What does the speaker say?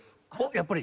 やっぱり！